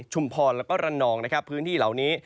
พรแล้วก็ระนองนะครับพื้นที่เหล่านี้